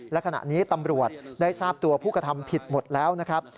และขณะนี้ตำรวจได้ทราบตัวภูติภูติภูมิผิดหมดแล้วนะครับ